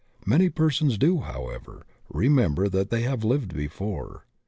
Many persons do, however, remember that they have lived before.